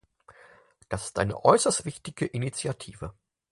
Das ist eine äußerst wichtige Initiative.